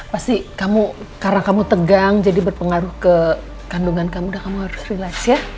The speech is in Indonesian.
pasti karena kamu tegang jadi berpengaruh ke kandungan kamu udah kamu harus relax ya